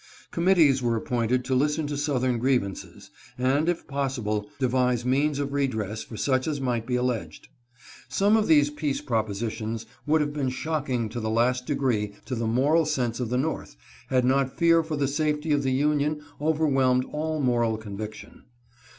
Committees were appointed to listen to southern griev ances, and, if possible, devise means of redress for such as might be alleged. Some of these peace propositions would have been shocking to the last degree to the moral 17 406 THE SOUTH WAS MAD. sense of the North, had not fear for the safety of the Union overwhelmed all moral conviction.